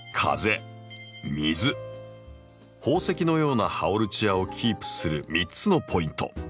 宝石のようなハオルチアをキープする３つのポイント